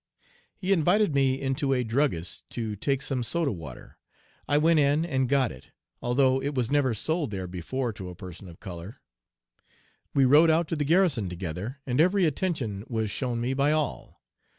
He invited me into a druggist's to take some soda water. I went in and got it, although it was never sold there before to a person of color. We rode out to the garrison together, and every attention was shown me by all.